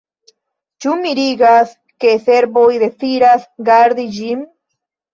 Ĉu mirigas, ke serboj deziras gardi ĝin?